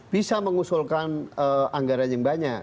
bisa mengusulkan anggaran yang banyak